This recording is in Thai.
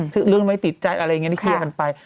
คือเรื่องไม่ติดใจอะไรอย่างนี้ที่เคลียร์กันไป